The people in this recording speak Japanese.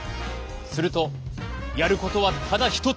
するとやることはただ一つ。